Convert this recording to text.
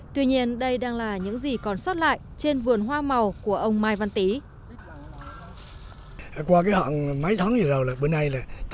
tuy nhiên đây đang là những gì còn sót lại trên vườn hoa màu của ông mai văn tý